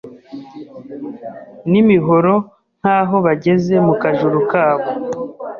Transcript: nimihoro nk’aho bageze mu kajuru kabo!